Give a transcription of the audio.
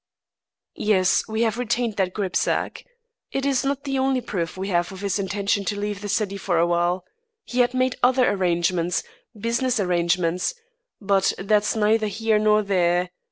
"Yes. We have retained that grip sack. It is not the only proof we have of his intention to leave the city for a while. He had made other arrangements, business arrangements But that's neither here nor there.